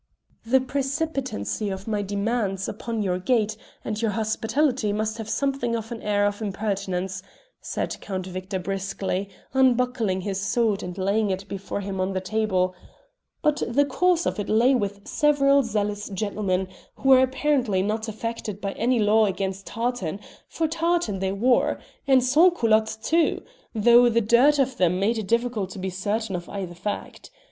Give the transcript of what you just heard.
"The precipitancy of my demands upon your gate and your hospitality must have something of an air of impertinence," said Count Victor briskly, unbuckling his sword and laying it before him on the table; "but the cause of it lay with several zealous gentlemen, who were apparently not affected by any law against tartan, for tartan they wore, and sans culottes too, though the dirt of them made it difficult to be certain of either fact.